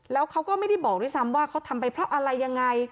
แล้วเขาก็ไม่ได้บอกด้วยซ้ำว่าเขาทำไปเพราะอะไรยังไง